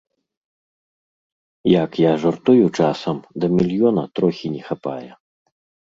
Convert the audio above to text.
Як я жартую часам, да мільёна трохі не хапае.